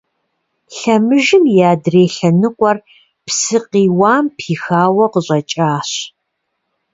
Лъэмыжым и адрей лъэныкъуэр псы къиуам пихауэ къыщӀэкӀащ.